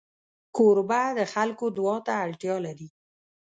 کوربه د خلکو دعا ته اړتیا لري.